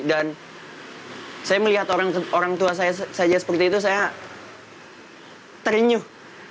dan saya melihat orang tua saya saja seperti itu saya terinyuh